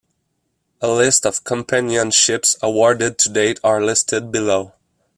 A list of companionships awarded to date are listed below.